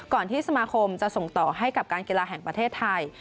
ที่สมาคมจะส่งต่อให้กับการกีฬาแห่งประเทศไทย